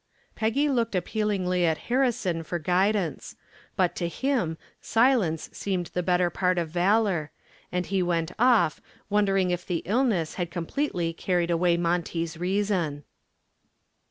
Peggy looked appealingly at Harrison for guidance, but to him silence seemed the better part of valor, and he went off wondering if the illness had completely carried away Monty's reason.